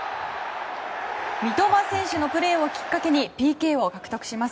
三笘選手のプレーをきっかけにＰＫを獲得。